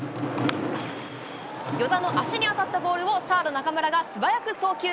與座の足に当たったボールをサード、中村が素早く送球。